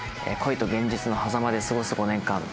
恋と現実のはざまで過ごす５年間。